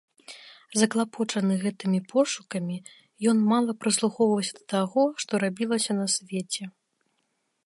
Заклапочаны гэтымі пошукамі, ён мала прыслухоўваўся да таго, што рабілася на свеце.